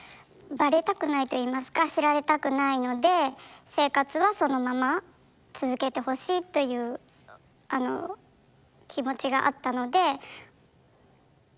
バレたくないといいますか知られたくないので生活はそのまま続けてほしいという気持ちがあったので。